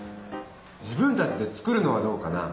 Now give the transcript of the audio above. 自分たちで作るのはどうかな？